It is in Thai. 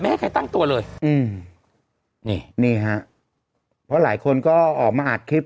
ให้ใครตั้งตัวเลยอืมนี่นี่ฮะเพราะหลายคนก็ออกมาอัดคลิป